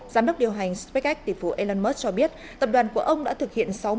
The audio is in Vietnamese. giám đốc điều hành spacex tỷ phú elon musk cho biết tập đoàn của ông đã thực hiện